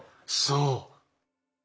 そう。